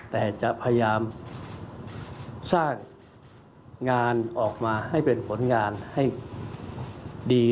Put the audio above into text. แต่จะพยายามสร้างงานออกมาให้เป็นผลงานให้ดี